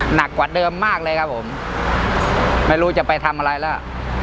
หนักกว่าเดิมมากเลยครับผมไม่รู้จะไปทำอะไรแล้ว